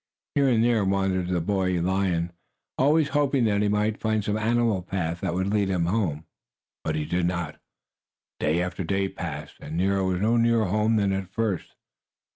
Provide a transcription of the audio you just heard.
Here and there wandered the boy lion, always hoping that he might find some animal path that would lead him home. But he did not. Day after day passed, and Nero was no nearer home than at first.